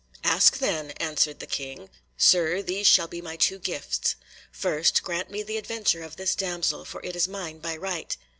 "Ask them," answered the King. "Sir, these shall be my two gifts. First grant me the adventure of this damsel, for it is mine by right."